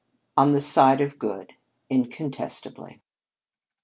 On the side of good, incontestably.